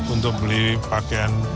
untuk beli pakaian